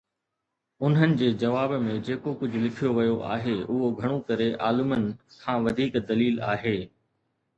انهن جي جواب ۾ جيڪو ڪجهه لکيو ويو آهي، اهو گهڻو ڪري عالمن کان وڌيڪ دليل آهي.